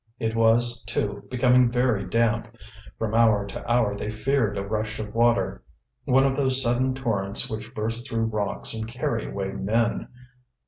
It was, too, becoming very damp; from hour to hour they feared a rush of water, one of those sudden torrents which burst through rocks and carry away men.